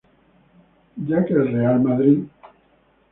Ya que el real Madrid.